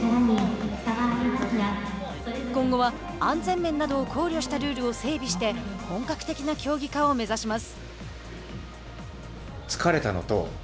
今後は安全面などを考慮したルールを整備して本格的な競技化を目指します。